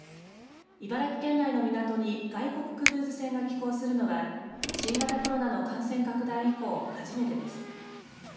茨城県内の港に外国クルーズ船が寄港するのは新型コロナの感染拡大以降初めてです。